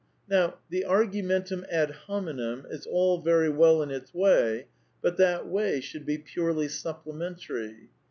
Now, the argumentum ad hominem is all very well in its way, but that way should be purely supplementary.